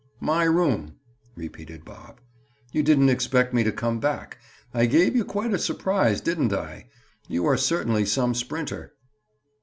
My room!" repeated Bob. "You didn't expect me to come back. I gave you quite a surprise, didn't I? You are certainly some sprinter."